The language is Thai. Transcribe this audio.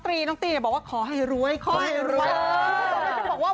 บอกว่าขอให้รวยขอให้ก่อน